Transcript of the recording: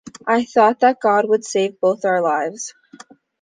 I thought that God would save both our lives.